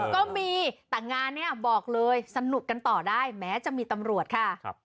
ก็มีแต่งานเนี่ยบอกเลยสนุกกันต่อได้แม้จะมีตำรวจค่ะ